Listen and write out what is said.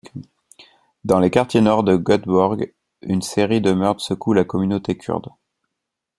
Dans les quartiers nord de Göteborg, une série de meurtres secoue la communauté kurde.